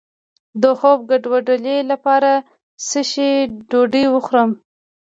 د خوب د ګډوډۍ لپاره د څه شي ډوډۍ وخورم؟